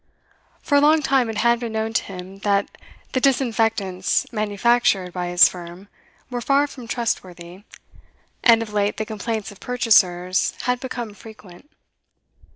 For a long time it had been known to him that the disinfectants manufactured by his firm were far from trustworthy, and of late the complaints of purchasers had become frequent.